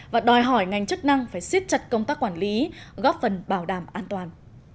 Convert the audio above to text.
và đòi hỏi ngành chức năng phải siết chặt công tác quản lý góp phần bảo đảm an toàn